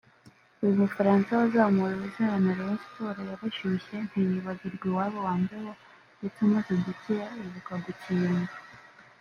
uyu Mufaransa wazamuriwe izina na Rayon Sports yarashyushye ntiyibagirwa iwabo wa mbeho ndetse amaze gukira yibuka gukinga